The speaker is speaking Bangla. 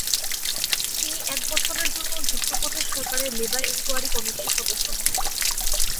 তিনি এক বছরের জন্য যুক্তপ্রদেশ সরকারের লেবার এনকোয়ারি কমিটির সদস্য হন।